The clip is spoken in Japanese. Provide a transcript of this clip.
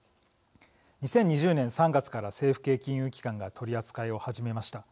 ２０２０年３月から政府系金融機関が取り扱いを始めました。